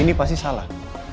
ini pasti salah